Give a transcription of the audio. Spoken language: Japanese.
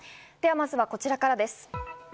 まずはこちらからです。